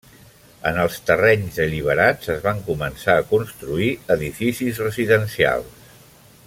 En els terrenys alliberats es van començar a construir edificis residencials.